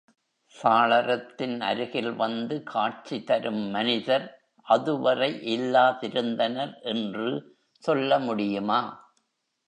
சாளரத்தின் அருகில் வந்து காட்சி தரும் மனிதர் அதுவரை இல்லாதிருந்தனர் என்று சொல்ல முடியுமா?